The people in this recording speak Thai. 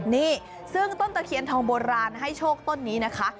นี่ซึ่งต้นตะเคียนทองโบราณให้โชคต้นนี้นะคะ